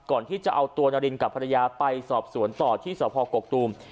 ก่อนที่จะเอาตัวนารินกับภรรยาไปสอบสวนต่อที่สพกกตูม